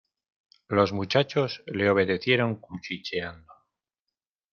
Los muchachos le obedecieron cuchicheando.